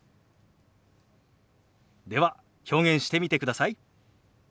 では表現してみてください。